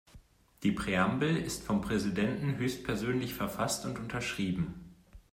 Die Präambel ist vom Präsidenten höchstpersönlich verfasst und unterschrieben.